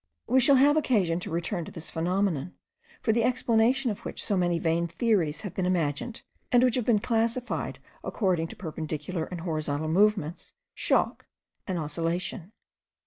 We shall have occasion to return to this phenomenon, for the explanation of which so many vain theories have been imagined, and which have been classified according to perpendicular and horizontal movements, shock, and oscillation.